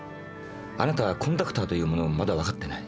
あなたはコンダクターというものをまだ分かってない。